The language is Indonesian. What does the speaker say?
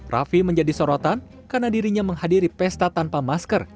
raffi menjadi sorotan karena dirinya menghadiri pesta tanpa masker